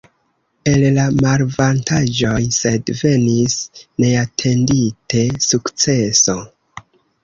El la malavantaĝoj sed venis neatendite sukceso.